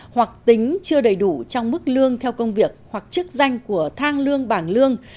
hoặc tính chưa đầy đủ trong mức lương theo công việc hoặc chức danh của thang lương bảng lương